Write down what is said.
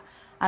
antara ya kan